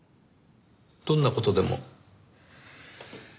どんな事でも。